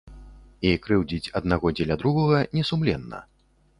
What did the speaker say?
І крыўдзіць аднаго дзеля другога не сумленна.